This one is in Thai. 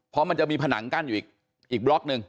เพราะมันจะมีผนังกั้นอยู่อีกบล็อกหนึ่ง